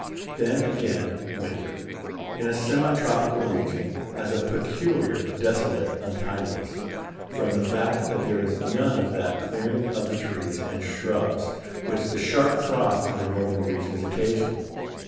Then, again, winter, in a semi tropical region, has a peculiar desolate untidiness, from the fact that there is none of that clearing of the trees and shrubs which the sharp frosts of the northern regions occasion.